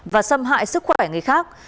và xâm hại sức khỏe người khác